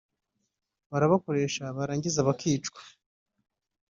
barabakoresha barangiza bakicwa